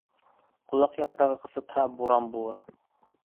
Ҡолаҡ япрағы ҡысытһа, буран булыр.